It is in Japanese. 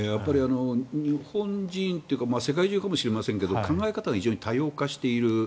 日本人というか世界中かもしれないですが考え方が非常に多様化している。